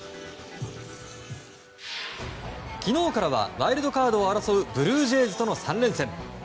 昨日からはワイルドカードを争うブルージェイズとの３連戦。